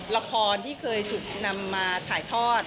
ละครที่เคยถูกนำมาถ่ายทอด